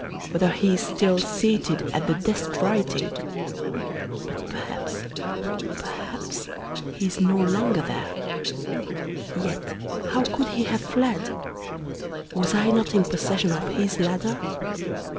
whether he is still seated at the desk writing! But perhaps perhaps he is no longer there! Yet how could he have fled? Was I not in possession of his ladder?